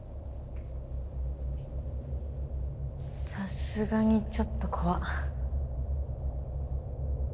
さすがにちょっとこわ。